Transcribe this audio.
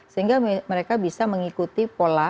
sehingga mereka bisa mengikuti pola